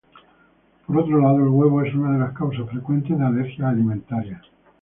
Por otro lado, el huevo es una de las causas frecuentes de alergias alimentarias.